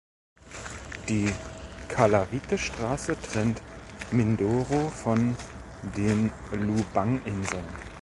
Die Calavite-Straße trennt Mindoro von den Lubang-Inseln.